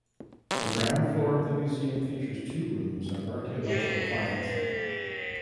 The ground floor of the museum features two rooms of archaeological finds.